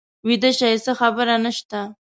ویده شئ څه خبره نه شته.